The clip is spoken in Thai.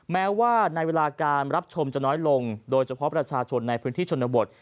แม้ว่าในเวลาการรับชมจะน้อยลงโดยเฉพาะประชาชนในพื้นที่ชนบท